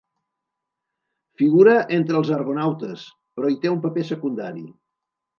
Figura entre els argonautes, però hi té un paper secundari.